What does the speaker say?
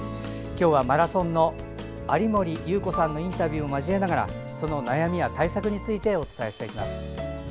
今日はマラソンの有森裕子さんのインタビューも交えながらその悩みや対策についてお伝えしていきます。